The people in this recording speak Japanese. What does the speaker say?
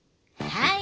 はい。